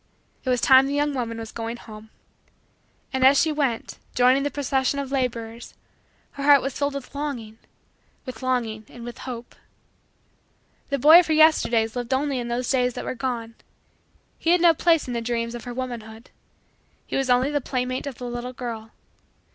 It was time the young woman was going home. And as she went, joining the procession of laborers, her heart was filled with longing with longing and with hope. The boy of her Yesterdays lived only in those days that were gone. He had no place in the dreams of her womanhood. He was only the playmate of the little girl.